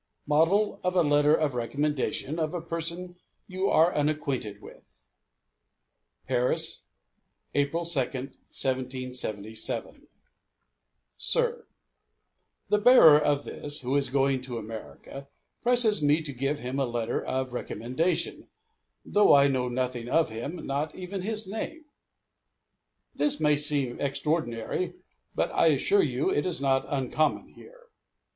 MODEL OF A LETTER OF RECOMMENDATION OF A PERSON YOU ARE UNACQUAINTED WITH PARIS, April 2, 1777. Sir: The bearer of this, who is going to America, presses me to give him a letter of recommendation, though I know nothing of him, not even his name. This may seem extraordinary, but I assure you it is not uncommon here.